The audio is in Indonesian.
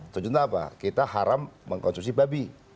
tujuannya apa kita haram mengkonsumsi babi